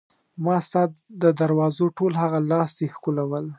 ما ستا د دروازو ټول هغه لاستي ښکلول.